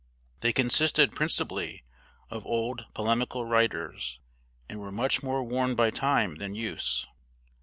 They consisted principally of old polemical writers, and were much more worn by time than use.